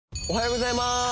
おはようございます